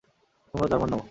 তোমরা জার্মান নও।